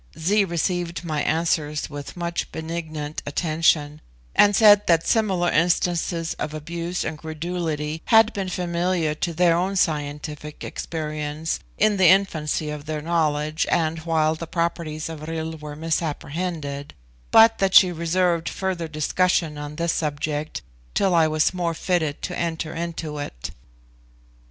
Zee received my answers with much benignant attention, and said that similar instances of abuse and credulity had been familiar to their own scientific experience in the infancy of their knowledge, and while the properties of vril were misapprehended, but that she reserved further discussion on this subject till I was more fitted to enter into it.